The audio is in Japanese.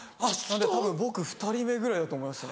僕２人目ぐらいだと思います。